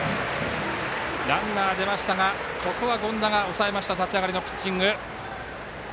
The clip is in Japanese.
ランナーは出ましたがここは権田が抑えた立ち上がりのピッチング。